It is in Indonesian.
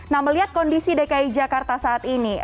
nah melihat kondisi dki jakarta saat ini